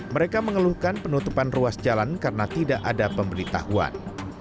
mereka mengeluhkan penutupan ruas jalan karena tidak ada pemberitahuan